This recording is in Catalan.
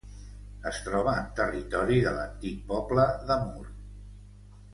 Es troba en territori de l'antic poble de Mur.